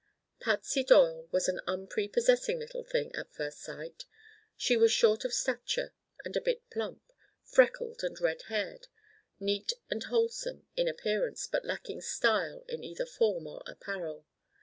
Patsy Doyle was an unprepossessing little thing, at first sight. She was short of stature and a bit plump; freckled and red haired; neat and wholesome in appearance but lacking "style" in either form or apparel.